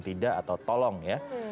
tidak atau tolong ya